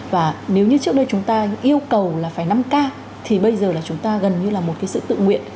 và nếu như trước đây chúng ta yêu cầu là phải năm k thì bây giờ là chúng ta gần như là một cái sự tự nguyện